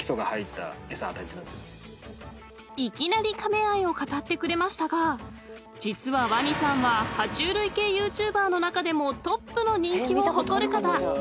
［いきなりカメ愛を語ってくれましたが実は鰐さんは爬虫類系ＹｏｕＴｕｂｅｒの中でもトップの人気を誇る方］